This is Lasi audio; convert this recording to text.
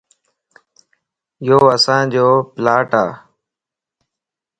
يو اسانجو پلاٽ ا